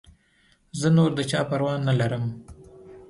زه نور د چا پروا نه لرم.